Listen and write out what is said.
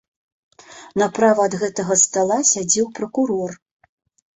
Направа ад гэтага стала сядзеў пракурор.